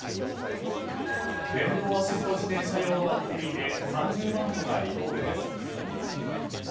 電動アシスト自転車用のバッテリーで３０万個がリコールです。